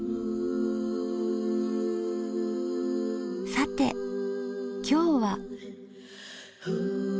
さて今日は。